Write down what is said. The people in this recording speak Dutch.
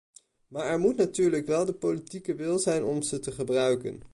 Maar er moet natuurlijk wel de politieke wil zijn om ze te gebruiken.